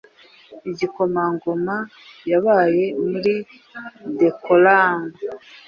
igikomangoma yabaga muri decorum